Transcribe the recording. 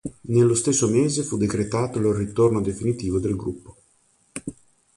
Nello stesso mese fu decretato il ritorno definitivo del gruppo.